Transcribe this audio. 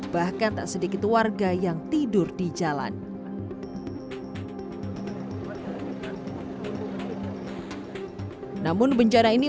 bahkan tak sedikit warga yang tidur di jalan namun bencana ini